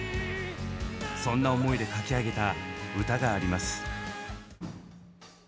そんな思いで書き上げた歌があります。